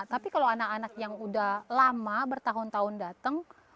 tapi kalau anak anak yang udah lama bertahun tahun datang pasti hafal namanya